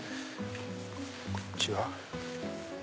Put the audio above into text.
こっちは？